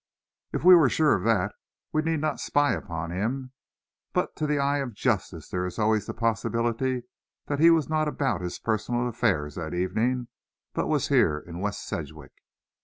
"If we were sure of that, we need not spy upon him. But to the eye of justice there is always the possibility that he was not about his personal affairs that evening, but was here in West Sedgwick."